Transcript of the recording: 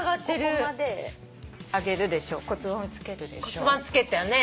骨盤つけたね。